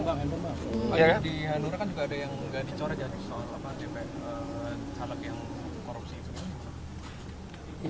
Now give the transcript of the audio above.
di hanura kan juga ada yang nggak dicore jadi soal calon yang korupsi